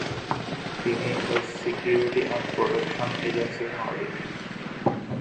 তিনি S security and protection এজেন্সির মালিক।